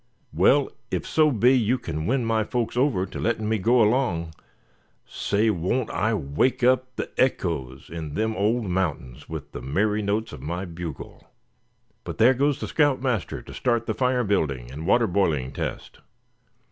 Well, if so be you can win my folks over to letting me go along, say, won't I wake up the echoes in them old mountains with the merry notes of my bugle? But there goes the scout master to start the fire building, and water boiling test.